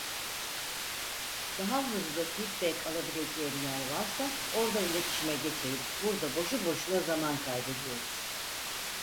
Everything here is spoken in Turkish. Daha hızlı feedback alabileceğim yer varsa ordan iletişeme geçeyim burda boşu boşuna zaman kaybediyoruz